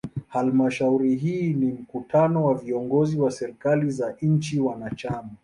Halmashauri hii ni mkutano wa viongozi wa serikali za nchi wanachama.